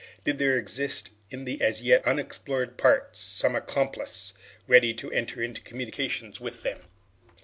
Did there exist in the as yet unexplored parts some accomplice ready to enter into communication with them?